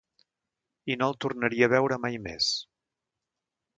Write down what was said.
I no el tornaria a veure mai més.